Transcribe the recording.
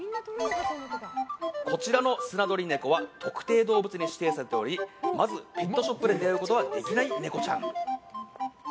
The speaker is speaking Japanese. こちらのスナドリネコは特定動物に指定されておりまずペットショップで出会うことはできないネコちゃん。